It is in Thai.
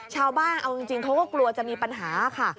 ชาวบ้านเอาจริงเขาก็กลัวจะมีปัญหาค่ะ